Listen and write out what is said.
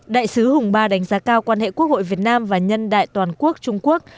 đại sứ hùng ba đánh giá cao quan hệ quốc hội việt nam và nhân đại toàn quốc trung quốc